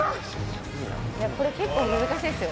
これ結構難しいですよ